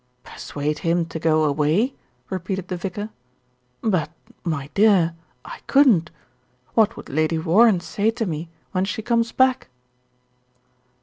"Persuade him to go awav," repeated the vicar; "but, my dear, I couldn't. What would Lady Warren say to me when she comes back?"